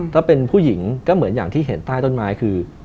ถ้าเป็นผู้หญิงก็เหมือนอย่างที่เห็นใต้ต้นไม้คือ